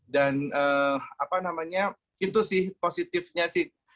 dan apa namanya itu sih positifnya sih